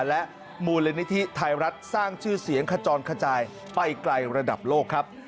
และมูลนิธิไทยรัฐสร้างชื่อเสียงขจรขจายไปไกลระดับโลกครับ